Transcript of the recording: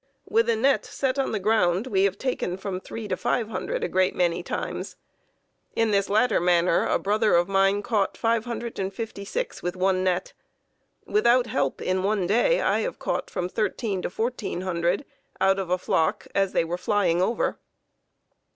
With a net set on the ground we have taken from three to five hundred a great many times. In this latter manner, a brother of mine caught 556 with one net. Without help, in one day I have caught from thirteen to fourteen hundred out of a flock as they were flying over.